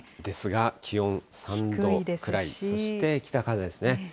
ですが、気温３度くらい、そして北風ですね。